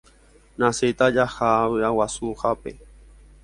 Ñasẽta jaha vy'aguasuhápe